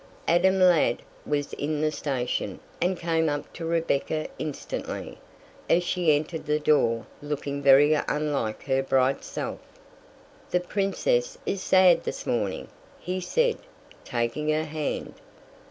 Adam Ladd was in the station and came up to Rebecca instantly, as she entered the door looking very unlike her bright self. "The Princess is sad this morning," he said, taking her hand.